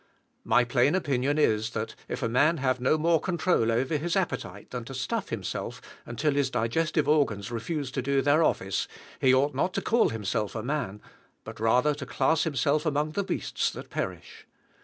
My plain opinion is, that if a man have no more control over his appetite than to stuff himself until his digestive organs refuse to do their office, he ought not to call himself a man, but rather to class himself among the beasts that perish.